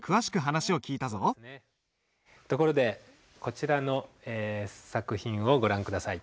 ところでこちらの作品をご覧下さい。